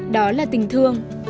đó là tình thương